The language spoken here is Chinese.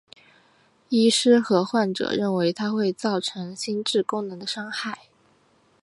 医师和患者认为它会造成心智功能的伤害。